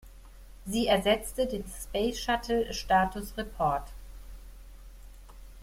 Sie ersetzte den Space Shuttle Status Report.